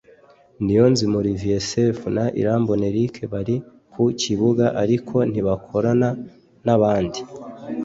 Niyonzima Olivier Sefu na Irambona Eric bari ku kibuga ariko ntibakorane n’abandi